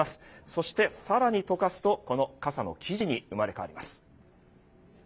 そして、更に溶かすとこの傘の生地に生まれ変わります。